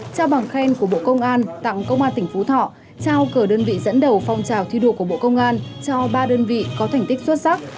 trao bằng khen của bộ công an tặng công an tỉnh phú thọ trao cờ đơn vị dẫn đầu phong trào thi đua của bộ công an cho ba đơn vị có thành tích xuất sắc